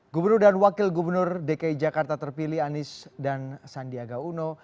gubernur dan wakil gubernur dki jakarta terpilih anies dan sandiaga uno